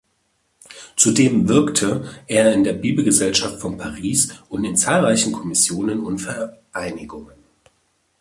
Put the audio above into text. Zudem wirkte er in der Bibelgesellschaft von Paris und in zahlreichen Kommissionen und Vereinigungen.